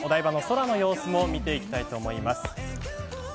それではお台場の空の様子も見ていきたいと思います。